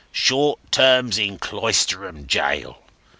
Short terms in Cloisterham jail.